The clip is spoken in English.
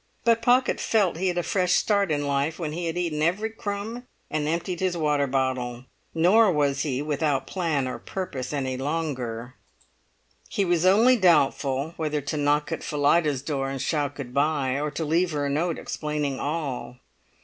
But Pocket felt he had a fresh start in life when he had eaten every crumb and emptied his water bottle. Nor was he without plan or purpose any longer; he was only doubtful whether to knock at Phillida's door and shout goodbye, or to leave her a note explaining all.